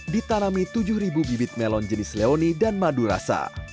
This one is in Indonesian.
ditanami tujuh bibit melon jenis leoni dan madu rasa